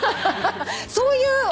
そういう。